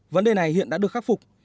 vấn đề này hiện đã được khắc phục